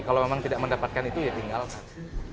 kalau memang tidak mendapatkan itu ya tinggalkan